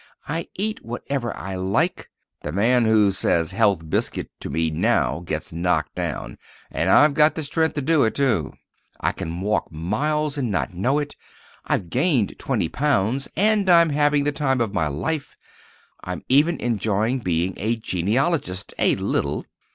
I eat whatever I like. (The man who says health biscuit to me now gets knocked down—and I've got the strength to do it, too!) I can walk miles and not know it. I've gained twenty pounds, and I'm having the time of my life. I'm even enjoying being a genealogist—a little.